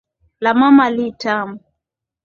La mama li tamu.